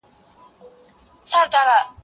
زه به سبا درسونه تياروم وم.